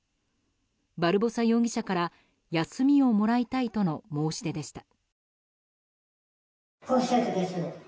バルボサ容疑者から休みをもらいたいとの申し出でした。